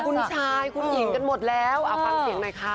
คุณชายคุณหญิงกันหมดแล้วเอาฟังเสียงหน่อยค่ะ